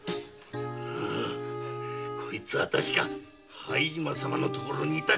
こいつは確か配島様のところにいた中間だ。